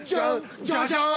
ジャジャーン！